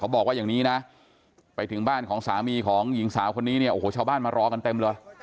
บอกว่าอย่างนี้นะไปถึงบ้านของสามีของหญิงสาวคนนี้เนี่ยโอ้โหชาวบ้านมารอกันเต็มเลย